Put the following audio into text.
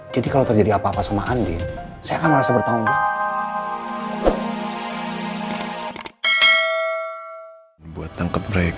jadi kalau terjadi apa apa sama andi saya akan merasa bertanggung